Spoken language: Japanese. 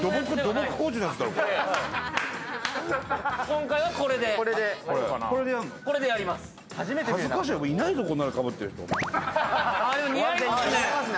今回はこれでやります。